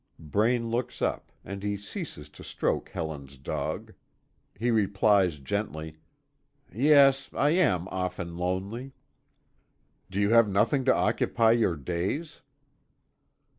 Braine looks up, and he ceases to stroke Helen's dog. He replies gently: "Yes, I am often lonely." "Do you have nothing to occupy your days?"